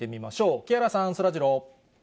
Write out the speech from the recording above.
木原さん、そらジロー。